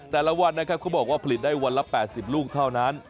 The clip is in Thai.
แต่ละวันนะครับเขาบอกว่าผลิตได้วันละ๘๐ลูกเท่านั้น